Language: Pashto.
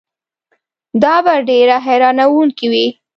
دا به ډېره حیرانوونکې وي.